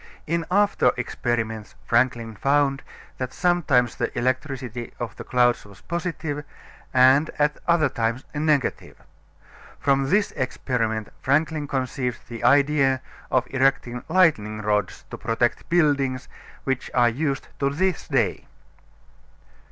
In after experiments Franklin found that sometimes the electricity of the clouds was positive and at other times negative. From this experiment Franklin conceived the idea of erecting lightning rods to protect buildings, which are used to this day.